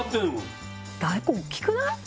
大根大っきくない？